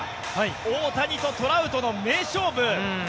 大谷とトラウトの名勝負。